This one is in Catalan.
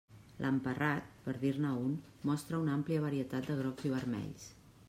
L'emparrat, per dir-ne un, mostra una àmplia varietat de grocs i vermells.